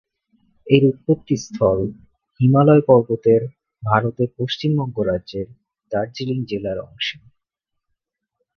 এর উৎপত্তিস্থল হিমালয় পর্বতের ভারতের পশ্চিমবঙ্গ রাজ্যের দার্জিলিং জেলার অংশে।